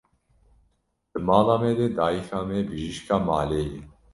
Di mala me de dayika me bijîşka malê ye.